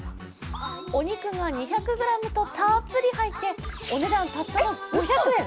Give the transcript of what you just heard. お肉が２００ｇとたっぷり入ってお値段、たったの５００円。